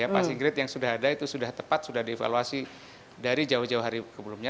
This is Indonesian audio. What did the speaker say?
passing grade yang sudah ada itu sudah tepat sudah dievaluasi dari jauh jauh hari sebelumnya